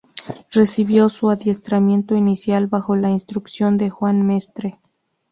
Recibió su adiestramiento inicial bajo la instrucción de Juan Mestre.